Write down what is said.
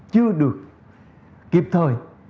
chưa được kịp thời